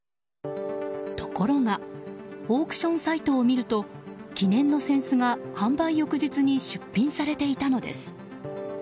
ところがオークションサイトを見ると記念の扇子が販売翌日に出品されていたのです。